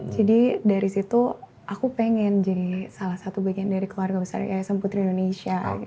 jadi dari situ aku pengen jadi salah satu bagian dari keluarga besar ysm putri indonesia